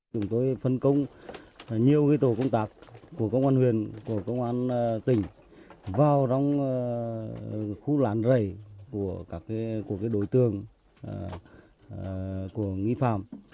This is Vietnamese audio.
chúng tôi phân công nhiều tổ công tác của công an huyền của công an tỉnh vào trong khu lán rầy của các đối tương của nghi phạm